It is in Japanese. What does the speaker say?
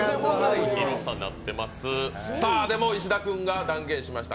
石田君が断言しました。